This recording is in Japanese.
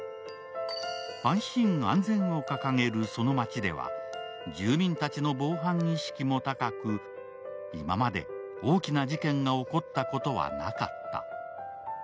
安心安全を掲げるその町では、住民達の防犯意識も高く今まで大きな事件が起こったことはなかった。